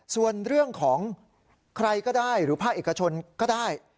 ส่วนเรื่องของใครก็ได้หรือภาคเอกชนก็ได้